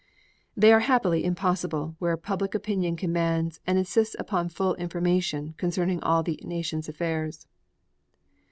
They are happily impossible where public opinion commands and insists upon full information concerning all the nation's affairs.